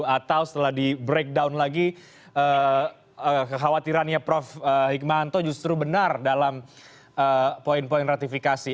atau setelah di breakdown lagi kekhawatirannya prof hikmahanto justru benar dalam poin poin ratifikasi